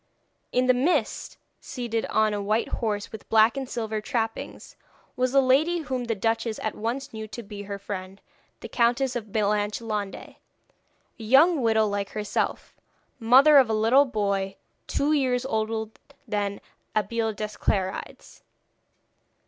In the midst, seated on a white horse with black and silver trappings, was a lady whom the duchess at once knew to be her friend the Countess of Blanchelande, a young widow like herself, mother of a little boy two years older than Abeille des Clarides.